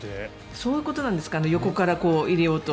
そういうことなんですか横から入れようと。